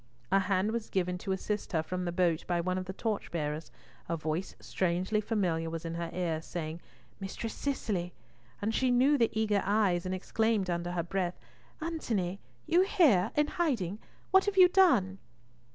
A hand was given to assist her from the boat by one of the torchbearers, a voice strangely familiar was in her ears, saying, "Mistress Cicely!" and she knew the eager eyes, and exclaimed under her breath, "Antony, you here? In hiding? What have you done?"